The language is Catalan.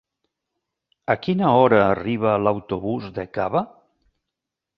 A quina hora arriba l'autobús de Cava?